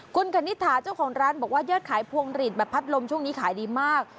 คุณคณิตถาเจ้าของร้านบอกว่ายอดขายพวงหลีดแบบพัดลมช่วงนี้ขายดีมาก